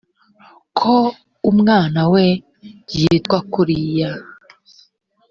ko umwana we yitwa kuriya